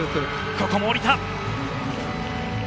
ここも降りた。